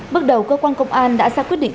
bước đầu cơ quan công an đã ra quyết định